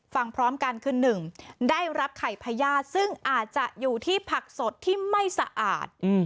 ฟังพร้อมกันคือ๑ได้รับไข่พญาติซึ่งอาจจะอยู่ที่ผักสดที่ไม่สะอาด